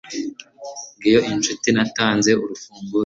Ngiyo inshuti natanze urufunguzo